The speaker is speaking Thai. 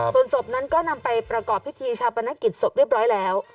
ส่วนศพนั้นก็นำไปประกอบพิธีชาปนกิจศพเรียบร้อยแล้ว